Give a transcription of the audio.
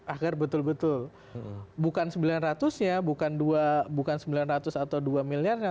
agar betul betul bukan sembilan ratus atau dua miliar